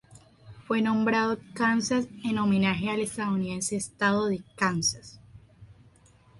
Fue nombrado Kansas en homenaje al estadounidense estado de Kansas.